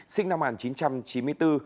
sinh năm một nghìn chín trăm chín mươi bốn